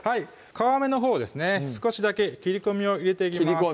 皮目のほうですね少しだけ切り込みを入れていきます